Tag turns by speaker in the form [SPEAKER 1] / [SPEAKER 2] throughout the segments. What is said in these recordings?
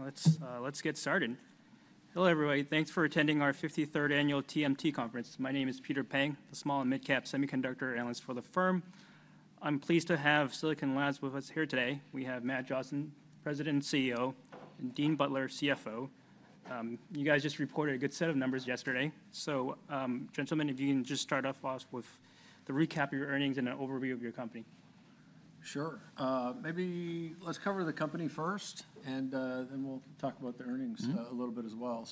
[SPEAKER 1] Okay, let's get started. Hello, everybody. Thanks for attending our 53rd Annual TMT Conference. My name is Peter Peng, the Small and Mid-Cap Semiconductor Analyst for the firm. I'm pleased to have Silicon Labs with us here today. We have Matt Johnson, President and CEO, and Dean Butler, CFO. You guys just reported a good set of numbers yesterday. Gentlemen, if you can just start off with the recap of your earnings and an overview of your company.
[SPEAKER 2] Sure. Maybe let's cover the company first, and then we'll talk about the earnings a little bit as well.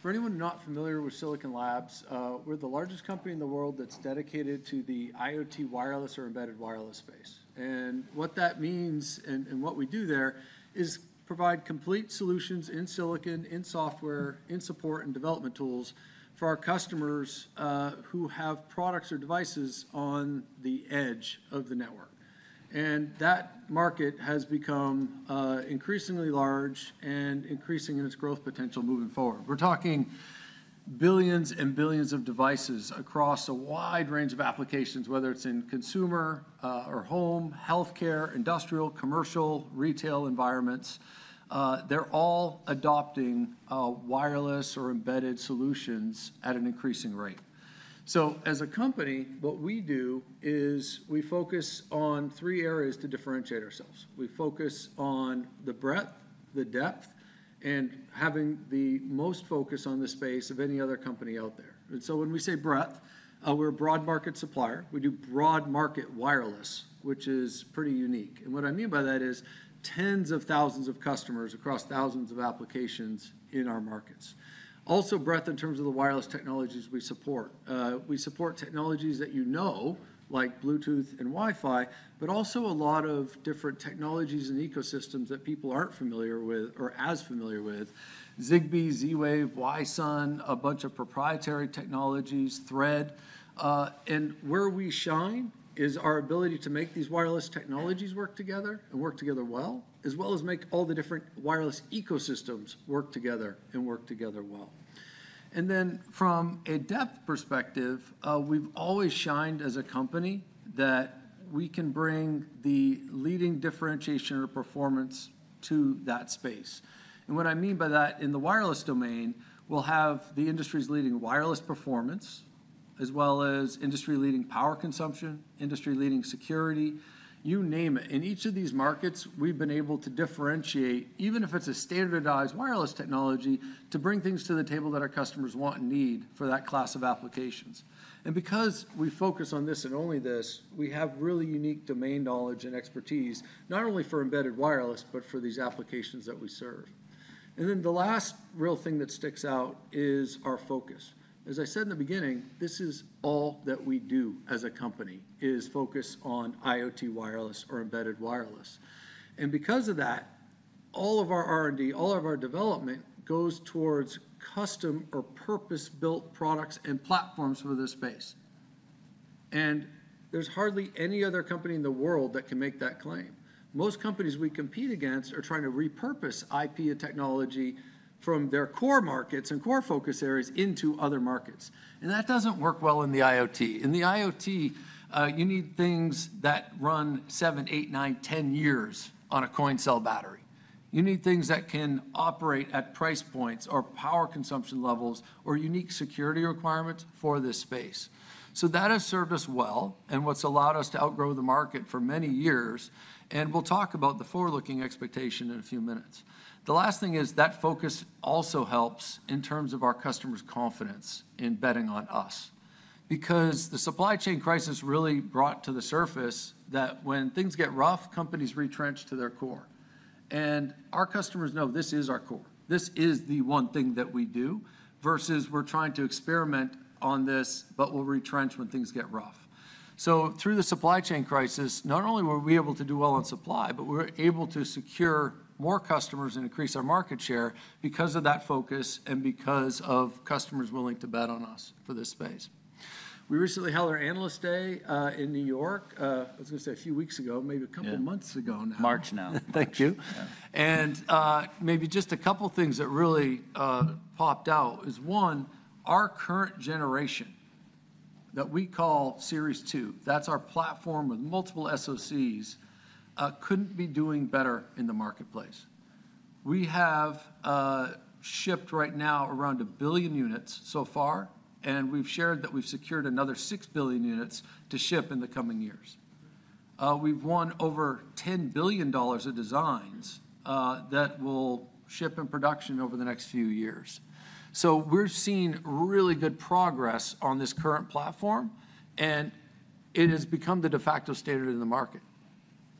[SPEAKER 2] For anyone not familiar with Silicon Labs, we're the largest company in the world that's dedicated to the IoT wireless or embedded wireless space. What that means, and what we do there, is provide complete solutions in silicon, in software, in support and development tools for our customers who have products or devices on the edge of the network. That market has become increasingly large and increasing in its growth potential moving forward. We're talking billions and billions of devices across a wide range of applications, whether it's in consumer or home, healthcare, industrial, commercial, retail environments. They're all adopting wireless or embedded solutions at an increasing rate. As a company, what we do is we focus on three areas to differentiate ourselves. We focus on the breadth, the depth, and having the most focus on the space of any other company out there. When we say breadth, we're a broad market supplier. We do broad market wireless, which is pretty unique. What I mean by that is tens of thousands of customers across thousands of applications in our markets. Also, breadth in terms of the wireless technologies we support. We support technologies that you know, like Bluetooth and Wi-Fi, but also a lot of different technologies and ecosystems that people aren't familiar with or as familiar with: Zigbee, Z-Wave, Wi-SUN, a bunch of proprietary technologies, Thread. Where we shine is our ability to make these wireless technologies work together and work together well, as well as make all the different wireless ecosystems work together and work together well. From a depth perspective, we've always shined as a company that we can bring the leading differentiation or performance to that space. What I mean by that, in the wireless domain, we'll have the industry's leading wireless performance, as well as industry-leading power consumption, industry-leading security, you name it. In each of these markets, we've been able to differentiate, even if it's a standardized wireless technology, to bring things to the table that our customers want and need for that class of applications. Because we focus on this and only this, we have really unique domain knowledge and expertise, not only for embedded wireless, but for these applications that we serve. The last real thing that sticks out is our focus. As I said in the beginning, this is all that we do as a company, is focus on IoT wireless or embedded wireless. Because of that, all of our R&D, all of our development goes towards custom or purpose-built products and platforms for this space. There is hardly any other company in the world that can make that claim. Most companies we compete against are trying to repurpose IP technology from their core markets and core focus areas into other markets. That does not work well in the IoT. In the IoT, you need things that run seven, eight, nine, ten years on a coin cell battery. You need things that can operate at price points or power consumption levels or unique security requirements for this space. That has served us well and is what has allowed us to outgrow the market for many years. We will talk about the forward-looking expectation in a few minutes. The last thing is that focus also helps in terms of our customers' confidence in betting on us. Because the supply chain crisis really brought to the surface that when things get rough, companies retrench to their core. And our customers know this is our core. This is the one thing that we do, versus we're trying to experiment on this, but we'll retrench when things get rough. Through the supply chain crisis, not only were we able to do well on supply, but we were able to secure more customers and increase our market share because of that focus and because of customers willing to bet on us for this space. We recently held our Analyst Day in New York. I was going to say a few weeks ago, maybe a couple of months ago now.
[SPEAKER 3] March now.
[SPEAKER 2] Thank you. Maybe just a couple of things that really popped out is, one, our current generation that we call Series 2, that's our platform with multiple SoCs, could not be doing better in the marketplace. We have shipped right now around a billion units so far, and we have shared that we have secured another six billion units to ship in the coming years. We have won over $10 billion of designs that will ship in production over the next few years. We are seeing really good progress on this current platform, and it has become the de facto standard in the market.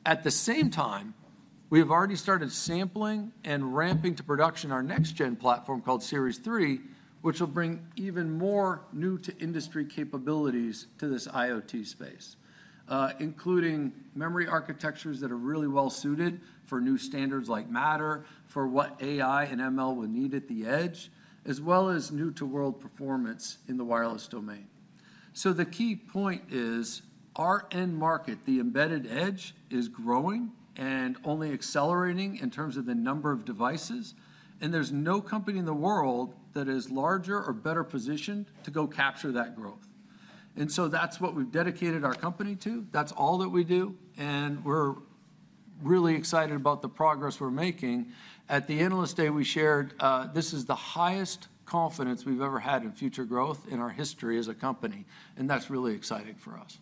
[SPEAKER 2] At the same time, we have already started sampling and ramping to production our next-gen platform called Series 3, which will bring even more new-to-industry capabilities to this IoT space, including memory architectures that are really well-suited for new standards like Matter, for what AI and ML will need at the edge, as well as new-to-world performance in the wireless domain. The key point is our end market, the embedded edge, is growing and only accelerating in terms of the number of devices. There is no company in the world that is larger or better positioned to go capture that growth. That is what we have dedicated our company to. That is all that we do. We are really excited about the progress we are making. At the Analyst Day, we shared this is the highest confidence we have ever had in future growth in our history as a company. That's really exciting for us.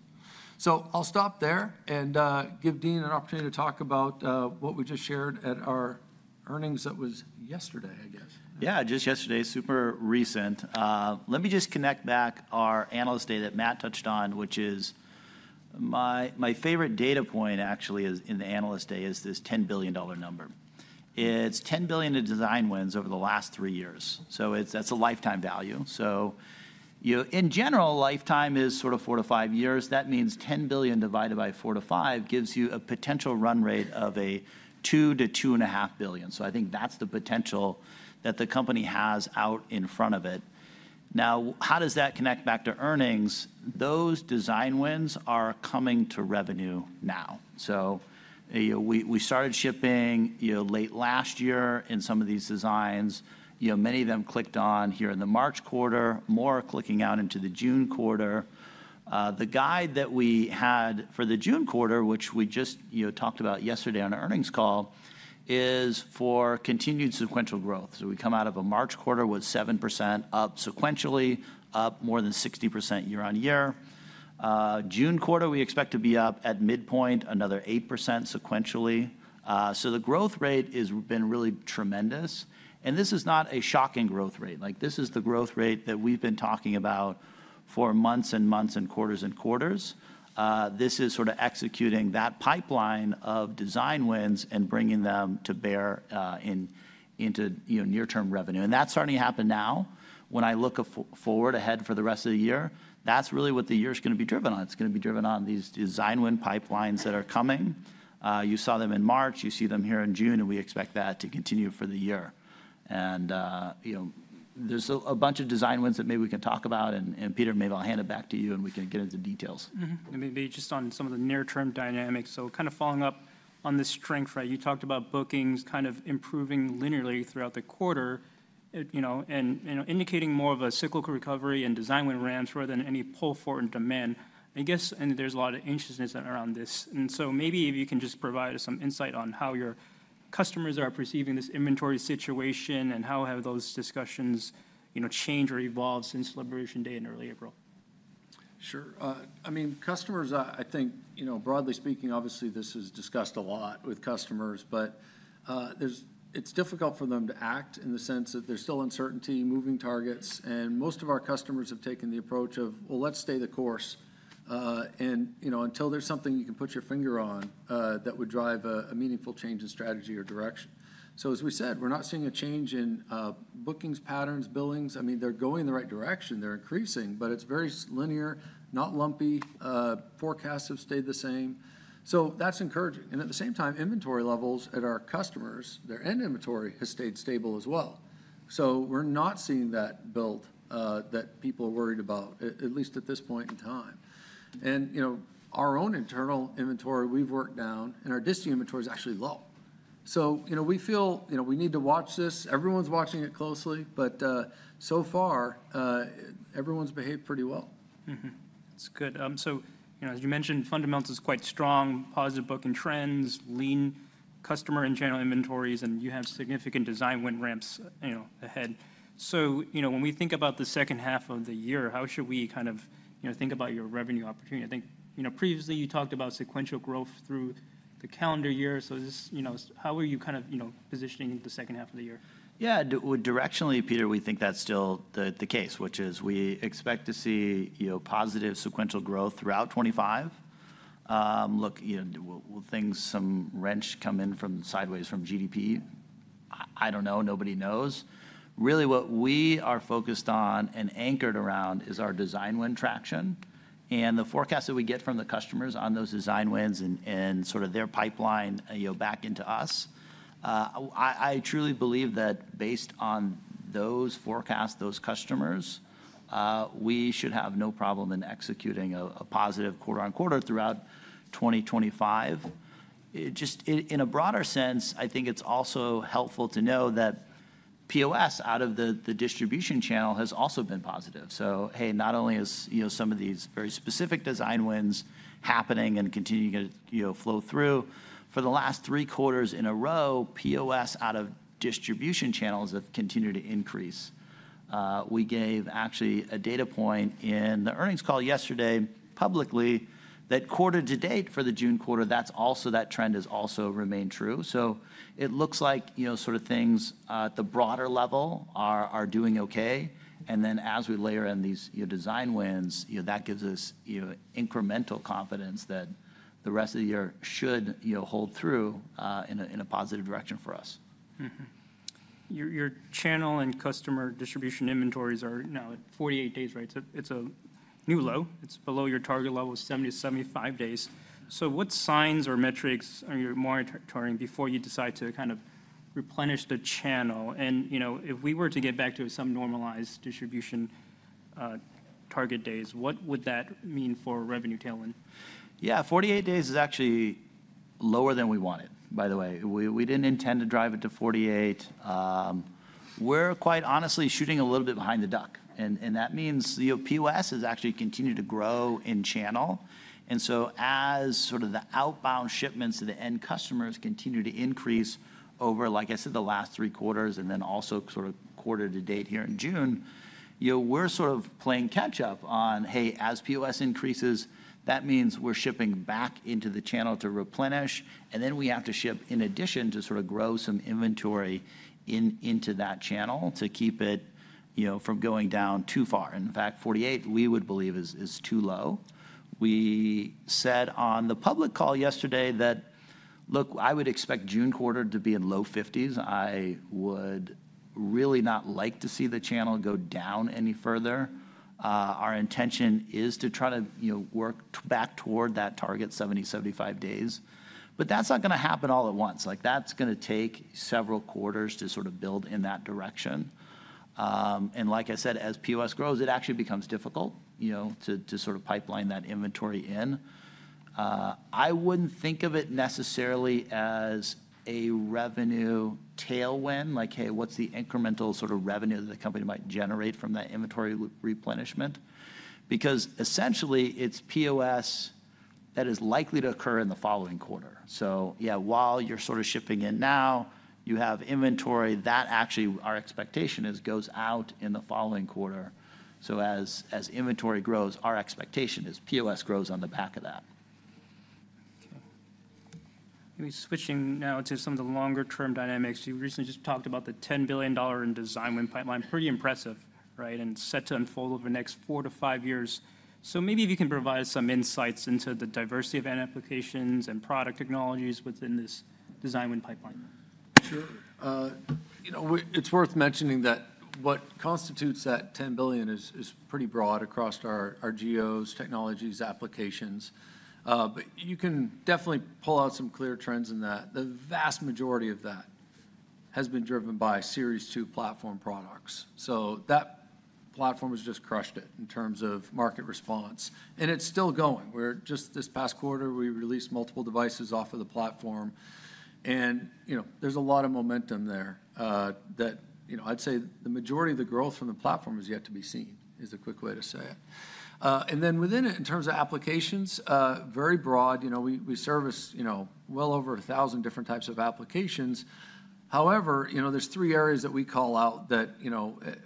[SPEAKER 2] I'll stop there and give Dean an opportunity to talk about what we just shared at our earnings that was yesterday, I guess.
[SPEAKER 3] Yeah, just yesterday, super recent. Let me just connect back our Analyst Day that Matt touched on, which is my favorite data point, actually, in the Analyst Day is this $10 billion number. It's $10 billion in design wins over the last three years. That's a lifetime value. In general, lifetime is sort of four to five years. That means $10 billion divided by four to five gives you a potential run rate of a $2 billion to $2.5 billion. I think that's the potential that the company has out in front of it. Now, how does that connect back to earnings? Those design wins are coming to revenue now. We started shipping late last year in some of these designs. Many of them clicked on here in the March quarter, more clicking out into the June quarter. The guide that we had for the June quarter, which we just talked about yesterday on our earnings call, is for continued sequential growth. We come out of a March quarter with 7% up sequentially, up more than 60% year-on-year. June quarter, we expect to be up at midpoint, another 8% sequentially. The growth rate has been really tremendous. This is not a shocking growth rate. This is the growth rate that we've been talking about for months and months and quarters and quarters. This is sort of executing that pipeline of design wins and bringing them to bear into near-term revenue. That's starting to happen now. When I look forward ahead for the rest of the year, that's really what the year is going to be driven on. It's going to be driven on these design win pipelines that are coming. You saw them in March. You see them here in June, and we expect that to continue for the year. There is a bunch of design wins that maybe we can talk about, and Peter, maybe I'll hand it back to you, and we can get into details.
[SPEAKER 1] Maybe just on some of the near-term dynamics. Kind of following up on this strength, right, you talked about bookings kind of improving linearly throughout the quarter, and indicating more of a cyclical recovery and design win ramps rather than any pull forward in demand. I guess there's a lot of anxiousness around this. Maybe if you can just provide us some insight on how your customers are perceiving this inventory situation and how have those discussions changed or evolved since Liberation Day in early April.
[SPEAKER 2] Sure. I mean, customers, I think, broadly speaking, obviously, this is discussed a lot with customers, but it's difficult for them to act in the sense that there's still uncertainty, moving targets. Most of our customers have taken the approach of, well, let's stay the course until there's something you can put your finger on that would drive a meaningful change in strategy or direction. As we said, we're not seeing a change in bookings patterns, billings. I mean, they're going the right direction. They're increasing, but it's very linear, not lumpy. Forecasts have stayed the same. That's encouraging. At the same time, inventory levels at our customers, their end inventory has stayed stable as well. We're not seeing that build that people are worried about, at least at this point in time. Our own internal inventory, we've worked down, and our disty inventory is actually low. We feel we need to watch this. Everyone's watching it closely, but so far, everyone's behaved pretty well.
[SPEAKER 1] That's good. As you mentioned, fundamentals are quite strong, positive booking trends, lean customer in general inventories, and you have significant design win ramps ahead. When we think about the second half of the year, how should we kind of think about your revenue opportunity? I think previously you talked about sequential growth through the calendar year. How are you kind of positioning the second half of the year?
[SPEAKER 3] Yeah, directionally, Peter, we think that's still the case, which is we expect to see positive sequential growth throughout 2025. Look, will things, some wrench come in sideways from GDP? I don't know. Nobody knows. Really, what we are focused on and anchored around is our design win traction. And the forecasts that we get from the customers on those design wins and sort of their pipeline back into us, I truly believe that based on those forecasts, those customers, we should have no problem in executing a positive quarter-on-quarter throughout 2025. Just in a broader sense, I think it's also helpful to know that POS out of the distribution channel has also been positive. Hey, not only is some of these very specific design wins happening and continuing to flow through, for the last three quarters in a row, POS out of distribution channels have continued to increase. We gave actually a data point in the earnings call yesterday publicly that quarter to date for the June quarter, that trend has also remained true. It looks like sort of things at the broader level are doing okay. As we layer in these design wins, that gives us incremental confidence that the rest of the year should hold through in a positive direction for us.
[SPEAKER 1] Your channel and customer distribution inventories are now at 48 days, right? It is a new low. It is below your target level of 70 days to 75 days. What signs or metrics are you monitoring before you decide to kind of replenish the channel? If we were to get back to some normalized distribution target days, what would that mean for revenue tailwind?
[SPEAKER 3] Yeah, 48 days is actually lower than we wanted, by the way. We did not intend to drive it to 48. We are quite honestly shooting a little bit behind the duck. That means POS has actually continued to grow in channel. As the outbound shipments to the end customers continue to increase over, like I said, the last three quarters and then also quarter to date here in June, we are sort of playing catch-up on, hey, as POS increases, that means we are shipping back into the channel to replenish. We have to ship in addition to sort of grow some inventory into that channel to keep it from going down too far. In fact, 48, we would believe, is too low. We said on the public call yesterday that, look, I would expect June quarter to be in low 50s. I would really not like to see the channel go down any further. Our intention is to try to work back toward that target, 70 days to 75 days. That is not going to happen all at once. Like, that is going to take several quarters to sort of build in that direction. Like I said, as POS grows, it actually becomes difficult to sort of pipeline that inventory in. I would not think of it necessarily as a revenue tailwind, like, hey, what is the incremental sort of revenue that the company might generate from that inventory replenishment? Because essentially, it is POS that is likely to occur in the following quarter. Yeah, while you are sort of shipping in now, you have inventory that actually our expectation is goes out in the following quarter. As inventory grows, our expectation is POS grows on the back of that.
[SPEAKER 1] Maybe switching now to some of the longer-term dynamics. You recently just talked about the $10 billion in design win pipeline, pretty impressive, right, and set to unfold over the next four to five years. Maybe if you can provide some insights into the diversity of end applications and product technologies within this design win pipeline.
[SPEAKER 2] Sure. It's worth mentioning that what constitutes that $10 billion is pretty broad across our GOs, technologies, applications. You can definitely pull out some clear trends in that. The vast majority of that has been driven by Series 2 platform products. That platform has just crushed it in terms of market response. It's still going. Just this past quarter, we released multiple devices off of the platform. There's a lot of momentum there. I'd say the majority of the growth from the platform is yet to be seen, is a quick way to say it. Within it, in terms of applications, very broad. We service well over 1,000 different types of applications. However, there's three areas that we call out that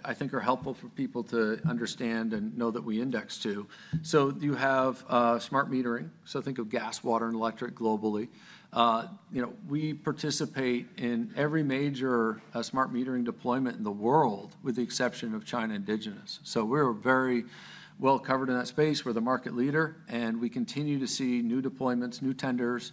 [SPEAKER 2] I think are helpful for people to understand and know that we index to. You have smart metering. Think of gas, water, and electric globally. We participate in every major smart metering deployment in the world, with the exception of China indigenous. We are very well covered in that space. We are the market leader, and we continue to see new deployments, new tenders.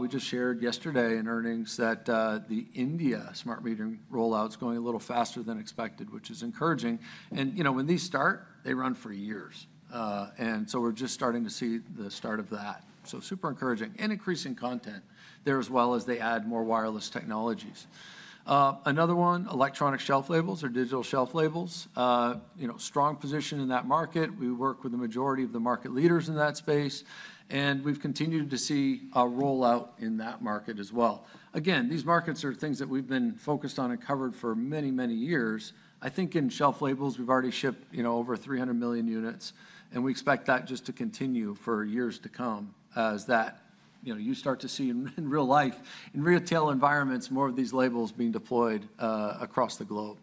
[SPEAKER 2] We just shared yesterday in earnings that the India smart metering rollout is going a little faster than expected, which is encouraging. When these start, they run for years. We are just starting to see the start of that. Super encouraging and increasing content there as well as they add more wireless technologies. Another one, electronic shelf labels or digital shelf labels, strong position in that market. We work with the majority of the market leaders in that space. We have continued to see a rollout in that market as well. Again, these markets are things that we've been focused on and covered for many, many years. I think in shelf labels, we've already shipped over 300 million units. We expect that just to continue for years to come as you start to see in real life, in retail environments, more of these labels being deployed across the globe.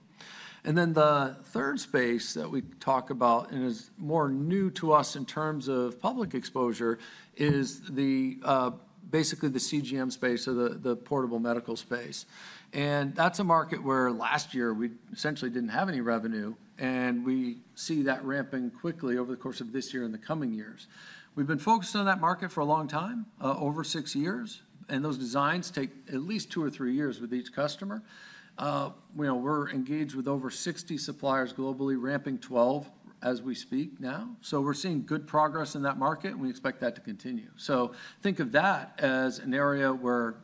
[SPEAKER 2] The third space that we talk about and is more new to us in terms of public exposure is basically the CGM space or the portable medical space. That's a market where last year we essentially didn't have any revenue. We see that ramping quickly over the course of this year and the coming years. We've been focused on that market for a long time, over six years. Those designs take at least two or three years with each customer. We're engaged with over 60 suppliers globally, ramping 12 as we speak now. We're seeing good progress in that market, and we expect that to continue. Think of that as an area where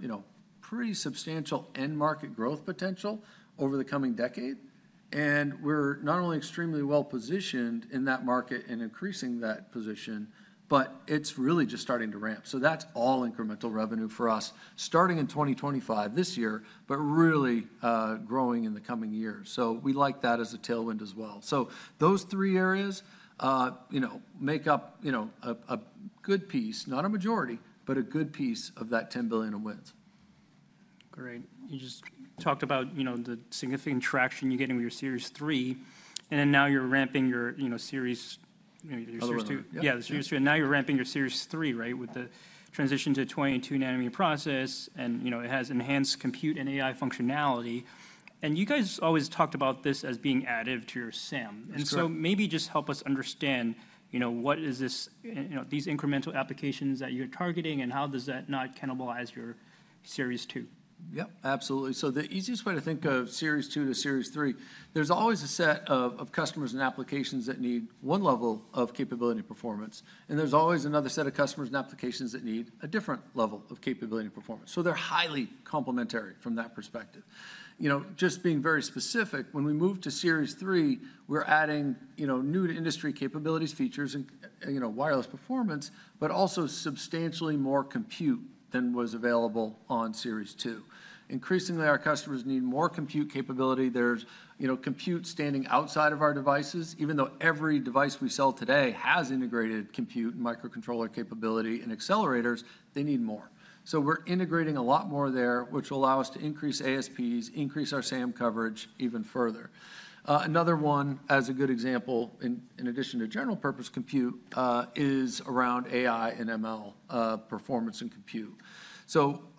[SPEAKER 2] pretty substantial end market growth potential over the coming decade. We're not only extremely well positioned in that market and increasing that position, but it's really just starting to ramp. That's all incremental revenue for us starting in 2025 this year, but really growing in the coming years. We like that as a tailwind as well. Those three areas make up a good piece, not a majority, but a good piece of that $10 billion of wins.
[SPEAKER 1] Great. You just talked about the significant traction you're getting with your Series 3. And then now you're ramping your Series 2.
[SPEAKER 2] Other one.
[SPEAKER 1] Yeah, the Series 2. And now you're ramping your Series 3, right, with the transition to 22 nanometer process. And it has enhanced compute and AI functionality. And you guys always talked about this as being additive to your SiP.
[SPEAKER 2] That's correct.
[SPEAKER 1] Maybe just help us understand what is these incremental applications that you're targeting and how does that not cannibalize your Series 2?
[SPEAKER 2] Yep, absolutely. The easiest way to think of Series 2 to Series 3, there's always a set of customers and applications that need one level of capability and performance. There's always another set of customers and applications that need a different level of capability and performance. They're highly complementary from that perspective. Just being very specific, when we move to Series 3, we're adding new industry capabilities, features, and wireless performance, but also substantially more compute than was available on Series 2. Increasingly, our customers need more compute capability. There's compute standing outside of our devices. Even though every device we sell today has integrated compute and microcontroller capability and accelerators, they need more. We're integrating a lot more there, which will allow us to increase ASPs, increase our SAM coverage even further. Another one, as a good example, in addition to general purpose compute, is around AI and ML performance and compute.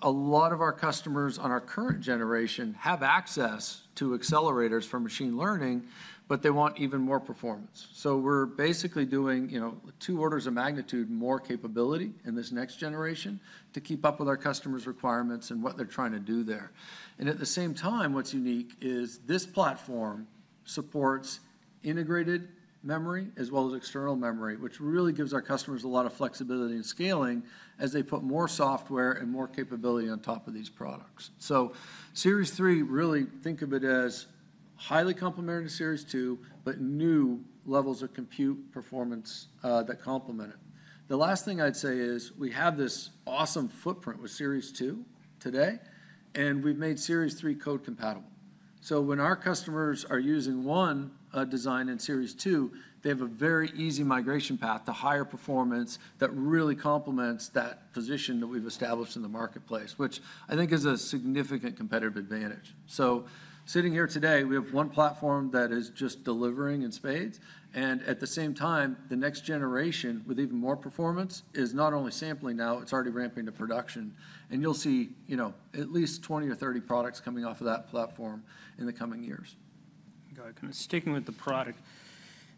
[SPEAKER 2] A lot of our customers on our current generation have access to accelerators for machine learning, but they want even more performance. We're basically doing two orders of magnitude more capability in this next generation to keep up with our customers' requirements and what they're trying to do there. At the same time, what's unique is this platform supports integrated memory as well as external memory, which really gives our customers a lot of flexibility and scaling as they put more software and more capability on top of these products. Series 3, really think of it as highly complementary to Series 2, but new levels of compute performance that complement it. The last thing I'd say is we have this awesome footprint with Series 2 today, and we've made Series 3 code compatible. So, when our customers are using one design in Series 2, they have a very easy migration path to higher performance that really complements that position that we've established in the marketplace, which I think is a significant competitive advantage. Sitting here today, we have one platform that is just delivering in spades. At the same time, the next generation with even more performance is not only sampling now, it's already ramping to production. You'll see at least 20 or 30 products coming off of that platform in the coming years.
[SPEAKER 1] Got it. Kind of sticking with the product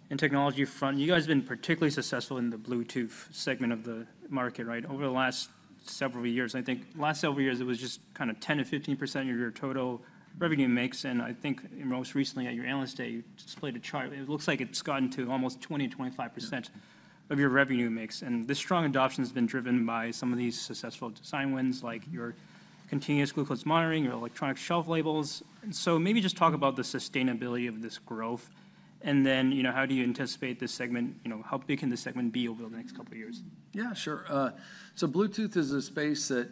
[SPEAKER 1] and technology front, you guys have been particularly successful in the Bluetooth segment of the market, right, over the last several years. I think last several years, it was just kind of 10% to 15% of your total revenue mix. And I think most recently at your Analyst Day, you displayed a chart. It looks like it's gotten to almost 20% to 25% of your revenue mix. And this strong adoption has been driven by some of these successful design wins, like your continuous glucose monitoring, your electronic shelf labels. So, maybe just talk about the sustainability of this growth. And then how do you anticipate this segment? How big can this segment be over the next couple of years?
[SPEAKER 2] Yeah, sure. Bluetooth is a space that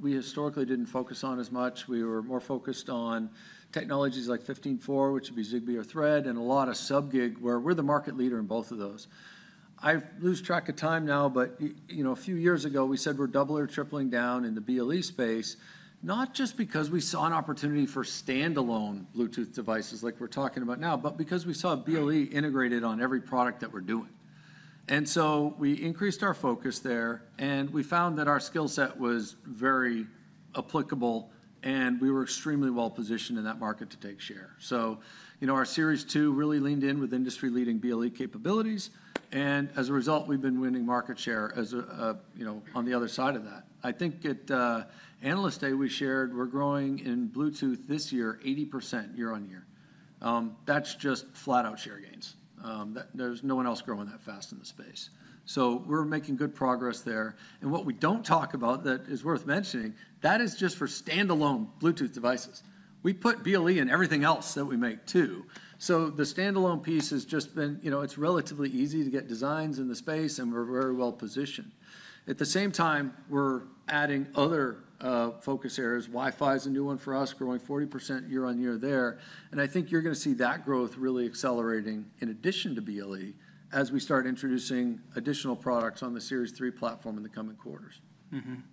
[SPEAKER 2] we historically didn't focus on as much. We were more focused on technologies like 15.4, which would be Zigbee or Thread, and a lot of sub-GHz where we're the market leader in both of those. I lose track of time now, but a few years ago, we said we're doubling or tripling down in the BLE space, not just because we saw an opportunity for standalone Bluetooth devices like we're talking about now, but because we saw BLE integrated on every product that we're doing. We increased our focus there, and we found that our skill set was very applicable, and we were extremely well positioned in that market to take share. Our Series 2 really leaned in with industry-leading BLE capabilities. As a result, we've been winning market share on the other side of that. I think at Analyst Day, we shared we're growing in Bluetooth this year 80% year on year. That's just flat-out share gains. There's no one else growing that fast in the space. We're making good progress there. What we don't talk about that is worth mentioning, that is just for standalone Bluetooth devices. We put BLE in everything else that we make too. The standalone piece has just been it's relatively easy to get designs in the space, and we're very well positioned. At the same time, we're adding other focus areas. Wi-Fi is a new one for us, growing 40% year-on-year there. I think you're going to see that growth really accelerating in addition to BLE as we start introducing additional products on the Series 3 platform in the coming quarters.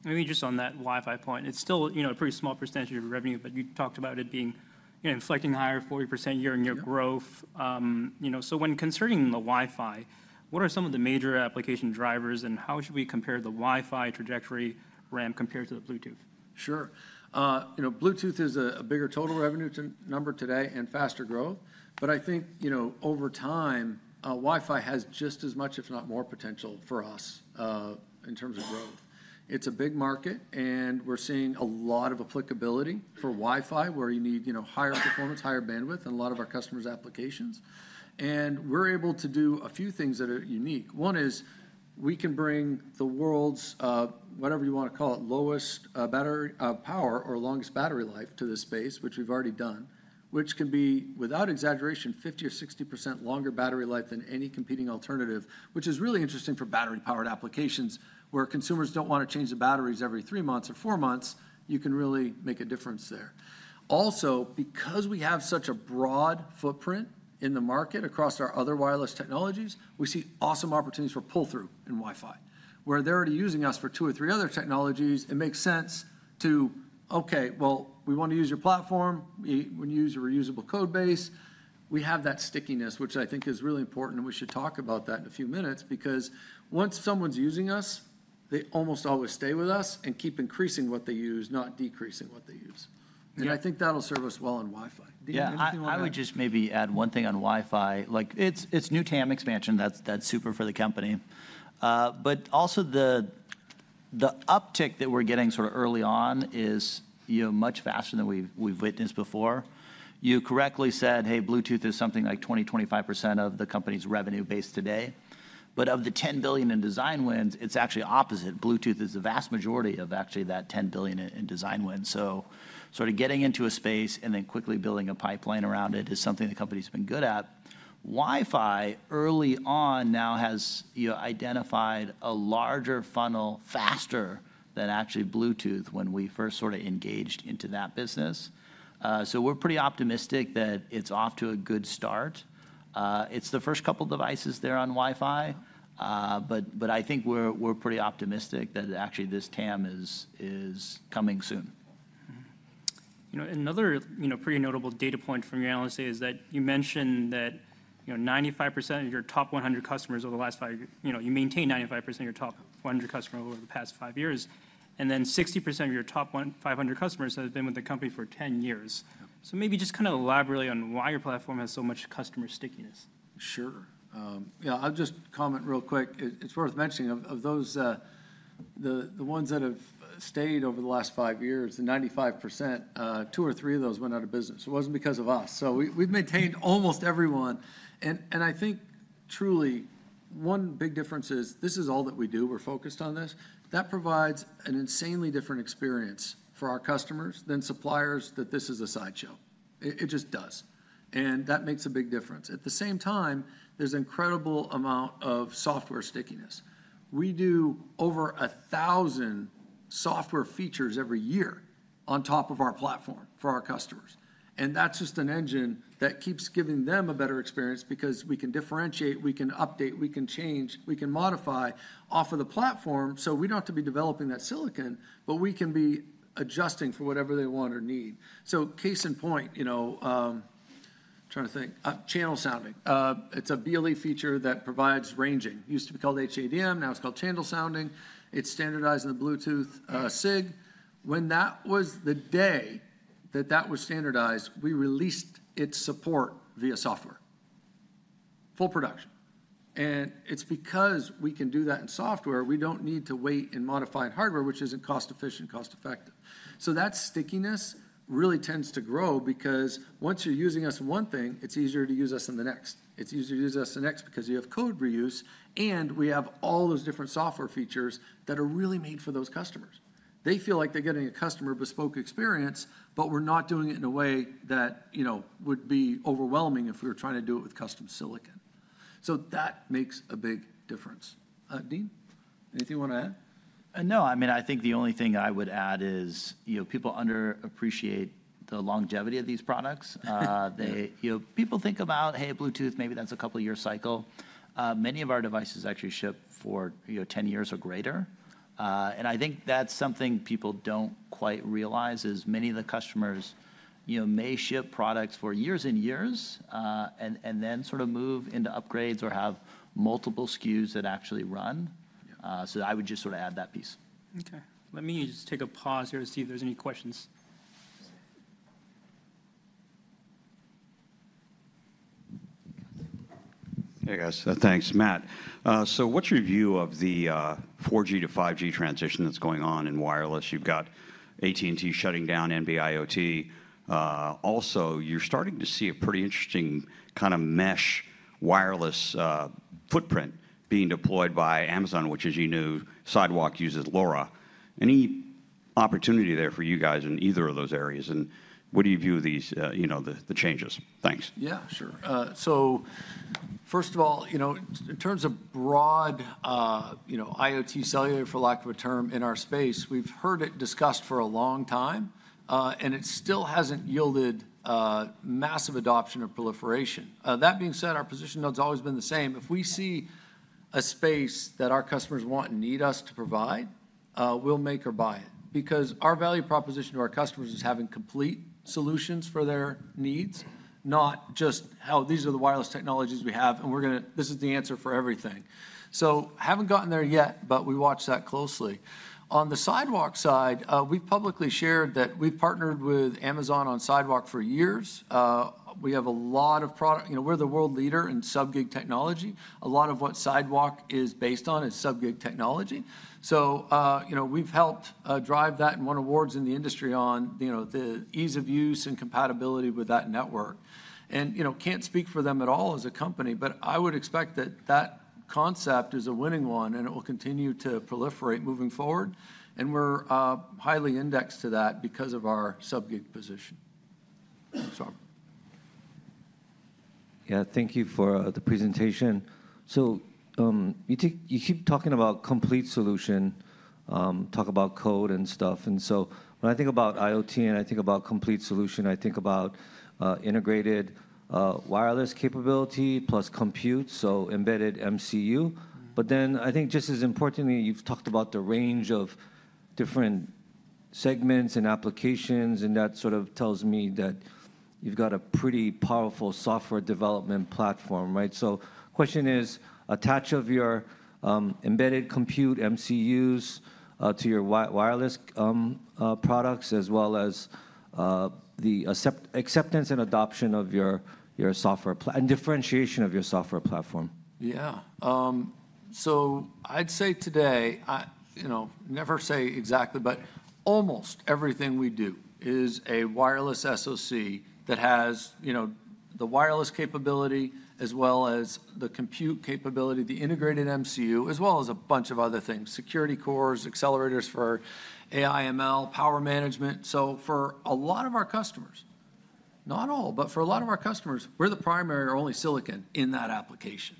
[SPEAKER 1] Maybe just on that Wi-Fi point, it's still a pretty small percentage of revenue, but you talked about it being inflecting higher, 40% year-on-year growth. When concerning the Wi-Fi, what are some of the major application drivers, and how should we compare the Wi-Fi trajectory ramp compared to the Bluetooth?
[SPEAKER 2] Sure. Bluetooth is a bigger total revenue number today and faster growth. I think over time, Wi-Fi has just as much, if not more, potential for us in terms of growth. It's a big market, and we're seeing a lot of applicability for Wi-Fi where you need higher performance, higher bandwidth, and a lot of our customers' applications. We're able to do a few things that are unique. One is we can bring the world's, whatever you want to call it, lowest power or longest battery life to this space, which we've already done, which can be, without exaggeration, 50% or 60% longer battery life than any competing alternative, which is really interesting for battery-powered applications where consumers don't want to change the batteries every three months or four months. You can really make a difference there. Also, because we have such a broad footprint in the market across our other wireless technologies, we see awesome opportunities for pull-through in Wi-Fi. Where they're already using us for two or three other technologies, it makes sense to, okay, well, we want to use your platform. We want to use your reusable code base. We have that stickiness, which I think is really important, and we should talk about that in a few minutes because once someone's using us, they almost always stay with us and keep increasing what they use, not decreasing what they use. I think that'll serve us well on Wi-Fi.
[SPEAKER 3] I would just maybe add one thing on Wi-Fi. It's new TAM expansion. That's super for the company. Also, the uptick that we're getting sort of early on is much faster than we've witnessed before. You correctly said, hey, Bluetooth is something like 20% to 25% of the company's revenue base today. Of the $10 billion in design wins, it's actually opposite. Bluetooth is the vast majority of actually that $10 billion in design wins. Getting into a space and then quickly building a pipeline around it is something the company's been good at. Wi-Fi early on now has identified a larger funnel faster than actually Bluetooth when we first sort of engaged into that business. We're pretty optimistic that it's off to a good start. It's the first couple of devices there on Wi-Fi. I think we're pretty optimistic that actually this TAM is coming soon.
[SPEAKER 1] Another pretty notable data point from your analysis is that you mentioned that 95% of your top 100 customers over the last five years, you maintain 95% of your top 100 customers over the past five years, and then 60% of your top 500 customers have been with the company for 10 years. Maybe just kind of elaborate on why your platform has so much customer stickiness.
[SPEAKER 2] Sure. Yeah, I'll just comment real quick. It's worth mentioning of those, the ones that have stayed over the last five years, the 95%, two or three of those went out of business. It wasn't because of us. We've maintained almost everyone. I think truly one big difference is this is all that we do. We're focused on this. That provides an insanely different experience for our customers than suppliers that this is a sideshow. It just does. That makes a big difference. At the same time, there's an incredible amount of software stickiness. We do over 1,000 software features every year on top of our platform for our customers. That's just an engine that keeps giving them a better experience because we can differentiate, we can update, we can change, we can modify off of the platform. We do not have to be developing that silicon, but we can be adjusting for whatever they want or need. Case in point, trying to think, channel sounding. It is a BLE feature that provides ranging. Used to be called HADM, now it is called channel sounding. It is standardized in the Bluetooth SIG. When that was the day that that was standardized, we released its support via software. Full production. It is because we can do that in software, we do not need to wait and modify hardware, which is not cost-efficient, cost-effective. That stickiness really tends to grow because once you are using us in one thing, it is easier to use us in the next. It is easier to use us in the next because you have code reuse, and we have all those different software features that are really made for those customers. They feel like they're getting a customer bespoke experience, but we're not doing it in a way that would be overwhelming if we were trying to do it with custom silicon. That makes a big difference. Dean, anything you want to add?
[SPEAKER 3] No, I mean, I think the only thing I would add is people underappreciate the longevity of these products. People think about, hey, Bluetooth, maybe that's a couple of years cycle. Many of our devices actually ship for 10 years or greater. I think that's something people don't quite realize is many of the customers may ship products for years and years and then sort of move into upgrades or have multiple SKUs that actually run. I would just sort of add that piece.
[SPEAKER 1] Okay. Let me just take a pause here to see if there's any questions.
[SPEAKER 4] Hey, guys. Thanks, Matt. What's your view of the 4G to 5G transition that's going on in wireless? You've got AT&T shutting down NB-IoT. Also, you're starting to see a pretty interesting kind of mesh wireless footprint being deployed by Amazon, which, as you knew, Sidewalk uses LoRa. Any opportunity there for you guys in either of those areas? What do you view the changes? Thanks.
[SPEAKER 2] Yeah, sure. First of all, in terms of broad IoT cellular, for lack of a term, in our space, we've heard it discussed for a long time, and it still hasn't yielded massive adoption or proliferation. That being said, our position has always been the same. If we see a space that our customers want and need us to provide, we'll make or buy it because our value proposition to our customers is having complete solutions for their needs, not just, oh, these are the wireless technologies we have, and this is the answer for everything. Haven't gotten there yet, but we watch that closely. On the Sidewalk side, we've publicly shared that we've partnered with Amazon on Sidewalk for years. We have a lot of product. We're the world leader in Sub-GHz technology. A lot of what Sidewalk is based on is Sub-GHz technology. We have helped drive that and won awards in the industry on the ease of use and compatibility with that network. I cannot speak for them at all as a company, but I would expect that that concept is a winning one, and it will continue to proliferate moving forward. We are highly indexed to that because of our Sub-GHz position. Sorry.
[SPEAKER 5] Yeah, thank you for the presentation. You keep talking about complete solution, talk about code and stuff. When I think about IoT and I think about complete solution, I think about integrated wireless capability plus compute, so embedded MCU. I think just as importantly, you've talked about the range of different segments and applications, and that sort of tells me that you've got a pretty powerful software development platform, right? The question is, attach of your embedded compute MCUs to your wireless products as well as the acceptance and adoption of your software and differentiation of your software platform.
[SPEAKER 2] Yeah. I'd say today, never say exactly, but almost everything we do is a wireless SoC that has the wireless capability as well as the compute capability, the integrated MCU, as well as a bunch of other things, security cores, accelerators for AI/ML, power management. For a lot of our customers, not all, but for a lot of our customers, we're the primary or only silicon in that application.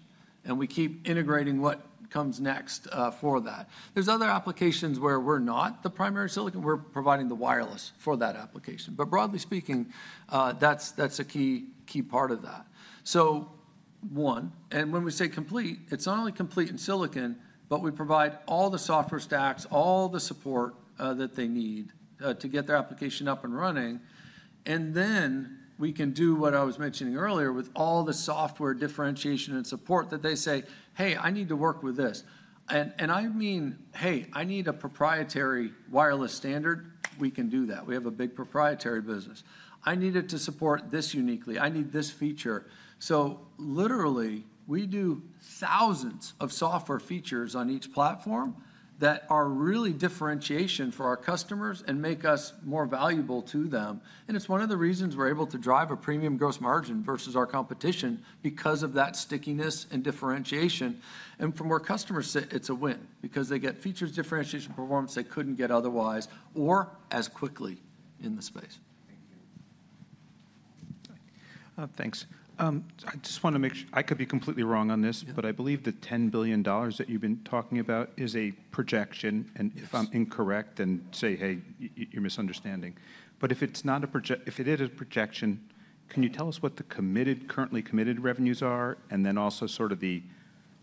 [SPEAKER 2] We keep integrating what comes next for that. There are other applications where we're not the primary silicon. We're providing the wireless for that application. Broadly speaking, that's a key part of that. When we say complete, it's not only complete in silicon, but we provide all the software stacks, all the support that they need to get their application up and running. We can do what I was mentioning earlier with all the software differentiation and support that they say, hey, I need to work with this. I mean, hey, I need a proprietary wireless standard. We can do that. We have a big proprietary business. I need it to support this uniquely. I need this feature. Literally, we do thousands of software features on each platform that are really differentiation for our customers and make us more valuable to them. It is one of the reasons we are able to drive a premium gross margin versus our competition because of that stickiness and differentiation. From where customers sit, it is a win because they get features, differentiation, performance they could not get otherwise, or as quickly in the space.
[SPEAKER 1] Thanks. I just want to make sure I could be completely wrong on this, but I believe the $10 billion that you've been talking about is a projection. If I'm incorrect, then say, hey, you're misunderstanding. If it is a projection, can you tell us what the currently committed revenues are and then also sort of the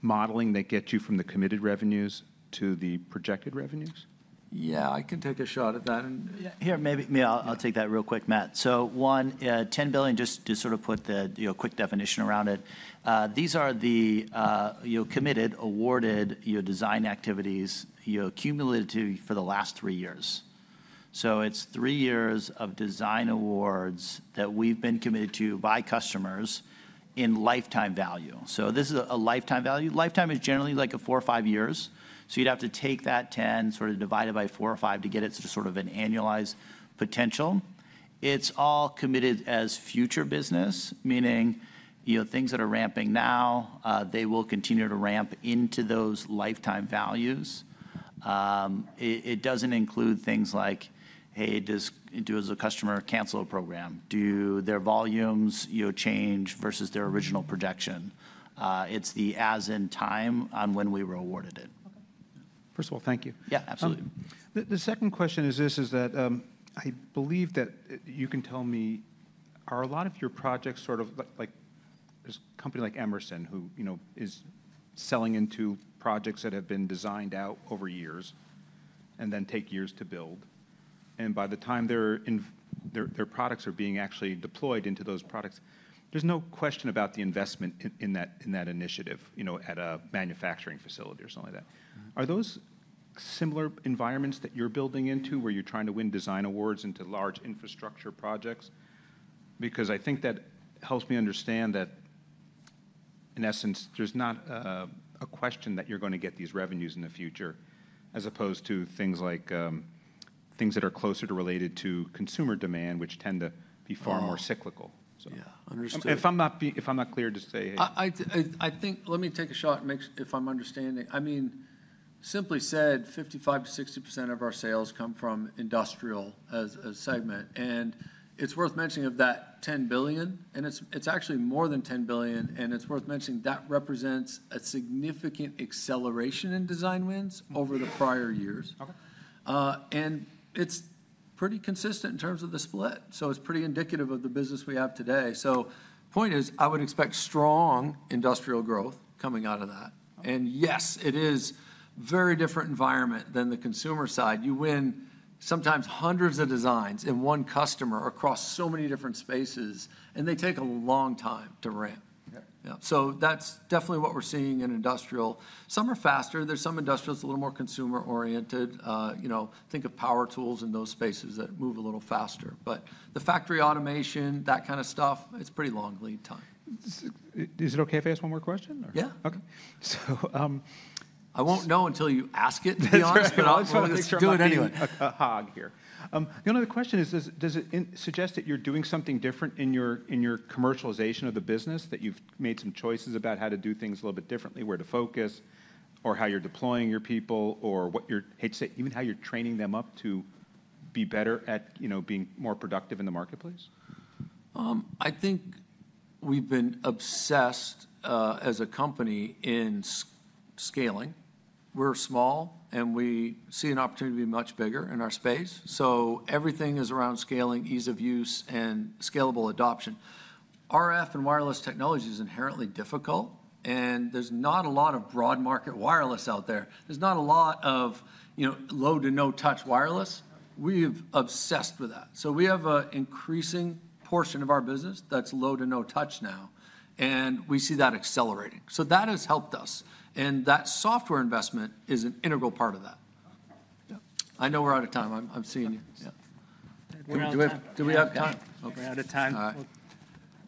[SPEAKER 1] modeling that gets you from the committed revenues to the projected revenues?
[SPEAKER 2] Yeah, I can take a shot at that.
[SPEAKER 3] Here, maybe I'll take that real quick, Matt. One, $10 billion, just to sort of put the quick definition around it, these are the committed, awarded design activities accumulated for the last three years. It is three years of design awards that we've been committed to by customers in lifetime value. This is a lifetime value. Lifetime is generally like four or five years. You'd have to take that 10, sort of divide it by four or five to get it to sort of an annualized potential. It is all committed as future business, meaning things that are ramping now, they will continue to ramp into those lifetime values. It does not include things like, hey, does a customer cancel a program? Do their volumes change versus their original projection? It is the as in time on when we were awarded it.
[SPEAKER 1] First of all, thank you.
[SPEAKER 3] Yeah, absolutely.
[SPEAKER 1] The second question is this: I believe that you can tell me, are a lot of your projects sort of like there's a company like Emerson who is selling into projects that have been designed out over years and then take years to build. By the time their products are being actually deployed into those products, there's no question about the investment in that initiative at a manufacturing facility or something like that. Are those similar environments that you're building into where you're trying to win design awards into large infrastructure projects? I think that helps me understand that, in essence, there's not a question that you're going to get these revenues in the future as opposed to things like things that are closer to related to consumer demand, which tend to be far more cyclical. If I'm not clear to say.
[SPEAKER 3] I think let me take a shot if I'm understanding. I mean, simply said, 55% to 60% of our sales come from industrial as a segment. It's worth mentioning of that $10 billion, and it's actually more than $10 billion. It's worth mentioning that represents a significant acceleration in design wins over the prior years. It's pretty consistent in terms of the split. It's pretty indicative of the business we have today. Point is, I would expect strong industrial growth coming out of that. Yes, it is a very different environment than the consumer side. You win sometimes hundreds of designs in one customer across so many different spaces, and they take a long time to ramp. That's definitely what we're seeing in industrial. Some are faster. There's some industrial that's a little more consumer-oriented. Think of power tools in those spaces that move a little faster. The factory automation, that kind of stuff, it's pretty long lead time.
[SPEAKER 1] Is it okay if I ask one more question?
[SPEAKER 2] Yeah.
[SPEAKER 1] Okay. So.
[SPEAKER 2] I won't know until you ask it, to be honest, but I just want to make sure I'm not doing anyone a hog here.
[SPEAKER 1] The only other question is, does it suggest that you're doing something different in your commercialization of the business, that you've made some choices about how to do things a little bit differently, where to focus, or how you're deploying your people, or what you're even, how you're training them up to be better at being more productive in the marketplace?
[SPEAKER 2] I think we've been obsessed as a company in scaling. We're small, and we see an opportunity to be much bigger in our space. Everything is around scaling, ease of use, and scalable adoption. RF and wireless technology is inherently difficult, and there's not a lot of broad market wireless out there. There's not a lot of low to no-touch wireless. We've obsessed with that. We have an increasing portion of our business that's low to no-touch now, and we see that accelerating. That has helped us, and that software investment is an integral part of that. I know we're out of time. I'm seeing you. Yeah. Do we have time?
[SPEAKER 1] We're out of time.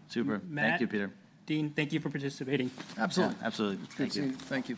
[SPEAKER 3] Super. Thank you, Peter.
[SPEAKER 1] Dean, thank you for participating.
[SPEAKER 2] Absolutely. Thank you.
[SPEAKER 1] Thank you.